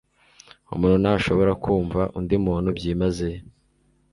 Umuntu ntashobora kumva undi muntu byimazeyo